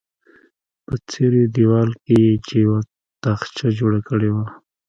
په څیرې دیوال کې یې چې یوه تاخچه جوړه کړې وه.